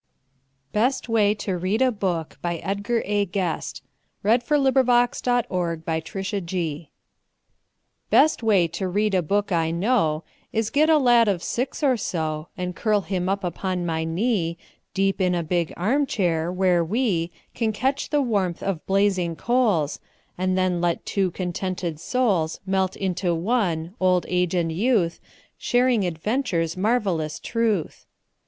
n that of him who is a boy, a little boy on Christmas Day. Best Way to Read a Book Best way to read a book I know Is get a lad of six or so, And curl him up upon my knee Deep in a big arm chair, where we Can catch the warmth of blazing coals, And then let two contented souls Melt into one, old age and youth, Sharing adventure's marvelous truth.